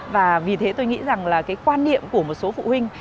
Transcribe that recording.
và vì thế tôi nghĩ rằng là cái quan niệm của một số phụ huynh